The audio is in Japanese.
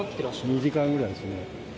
２時間ぐらいですね。